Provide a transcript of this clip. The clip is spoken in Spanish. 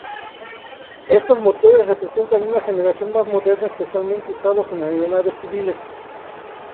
Estos motores representan una generación más moderna, especialmente usados en aeronaves civiles.